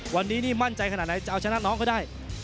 วันนี้นี่มั่นใจขนาดไหนจะเอาชนะน้องเขาได้